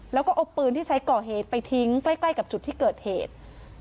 แล้วก็เอาปืนที่ใช้ก่อเหตุไปทิ้งใกล้กับจุดที่เกิดเหตุ